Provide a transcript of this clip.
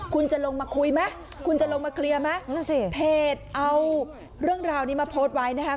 คุณจะลงมาคุยไหมคุณจะลงมาเคลียร์ไหมนั่นสิเพจเอาเรื่องราวนี้มาโพสต์ไว้นะคะ